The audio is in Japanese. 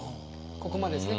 ここまでですね。